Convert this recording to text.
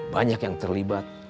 banyak yang terlibat